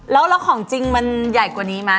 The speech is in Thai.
แล้วของจริงมันใหญ่กว่านี้ไหม